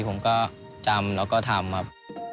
ผมก็จำแล้วก็ทำครับ